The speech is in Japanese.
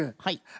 はい。